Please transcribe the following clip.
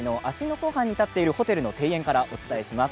湖畔に建っているホテルの庭園からお伝えします。